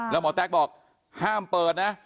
แล้วหมอแต๊กบอกห้ามเปิดนะ